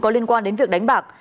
có liên quan đến việc đánh bạc